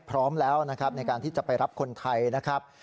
พร้อมแล้วในการที่จะไปรับคนไทย